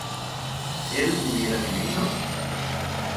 ¿él hubiera vivido?